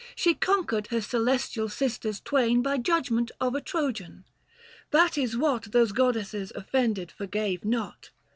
She conquered her celestial sisters twain By judgment of a Trojan : that is what Those goddesses offended forgave not.